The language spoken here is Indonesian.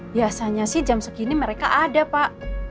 biasanya sih jam segini mereka ada pak